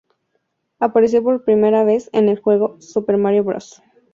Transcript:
Apareció por primera vez en el juego "Super Mario Bros.